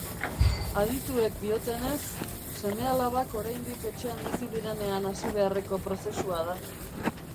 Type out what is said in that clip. Adituek diotenez, seme-alabak oraindik etxean bizi direnean hasi beharreko prozesua da.